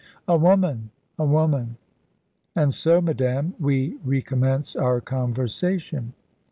"A woman, a woman. And so, madame, we recommence our conversation."